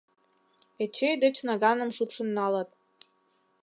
Эчей деч наганым шупшын налыт.